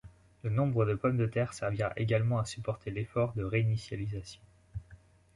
Le nombre de pommes de terre servira également à supporter l'effort de réinitialisation.